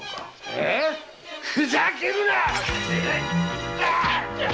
ええ⁉ふざけるな！